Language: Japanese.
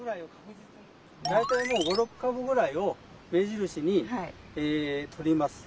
大体５６株ぐらいを目印にとります。